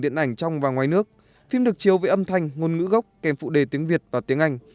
điện ảnh trong và ngoài nước phim được chiếu với âm thanh ngôn ngữ gốc kèm phụ đề tiếng việt và tiếng anh